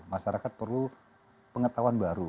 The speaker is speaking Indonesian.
masyarakat perlu pengetahuan baru